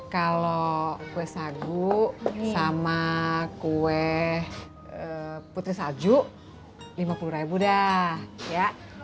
kalau kue sagu sama kue putri salju lima puluh dah ya